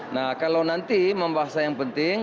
nah kalau nanti membahasa yang penting